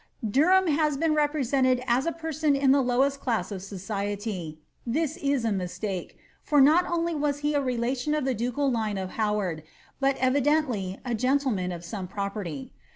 Derham has been represented as a person in the lowest class of lociety : this is a mistake, for not only was he a relation of the ducal line oif Howard, but evidently a gentleman of some property.